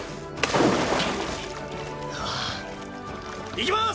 いきます！